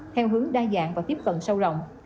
theo hướng đa dạng và tiếp cận sâu rộng